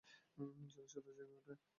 জাতিসত্তা জেগে ওঠে।